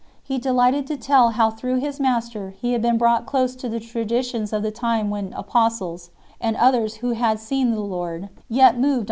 He delighted to tell how through his master he had been brought close to the traditions of the time when apostles, and others who had seen the Lord, yet 1 Euseb.